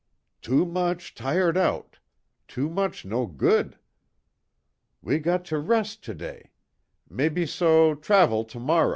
"Too mooch tired out. Too mooch no good. We got to res' today. Mebbe so, travel tomor'!"